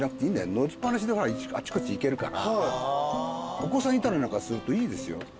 乗りっ放しであちこち行けるからお子さんいたりなんかするといいですよ。